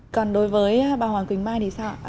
còn đối với bà hoàng kính mai thì sao ạ